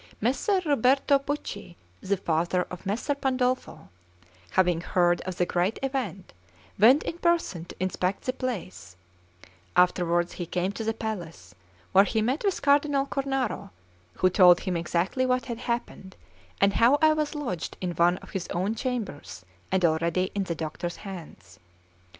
Messer Ruberto Pucci, the father of Messer Pandolfo, having heard of the great event, went in person to inspect the place; afterwards he came to the palace, where he met with Cardinal Cornaro, who told him exactly what had happened, and how I was lodged in one of his own chambers, and already in the doctor's hands.